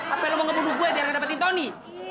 apa yang mau ngebunuh gue biar gak dapetin tony